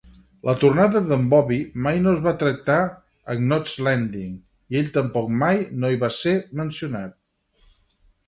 La tornada d'en Bobby mai no es va tractar a "Knots Landing", i ell tampoc mai no hi va ser mencionat.